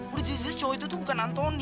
udah jelas jelas cowok itu tuh bukan anthony